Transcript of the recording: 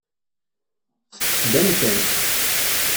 Teṭṭef-d amkan.